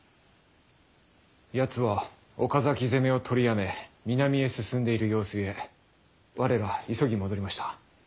やつは岡崎攻めを取りやめ南へ進んでいる様子ゆえ我ら急ぎ戻りました。